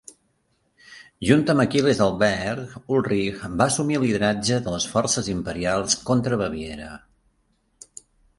Junt amb Aquil·les Albrecht, Ulrich va assumir el lideratge de les forces imperials contra Baviera.